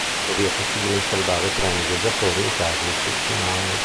Tuttavia è possibile instradare treni viaggiatori in casi eccezionali.